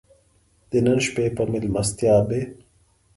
د نن شپې په مېلمستیا به.